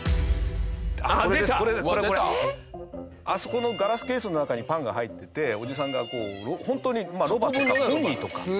あそこのガラスケースの中にパンが入ってておじさんがホントにロバとかポニーとか。